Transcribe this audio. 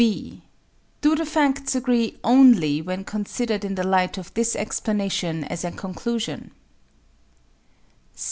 (b) Do the facts agree only when considered in the light of this explanation as a conclusion?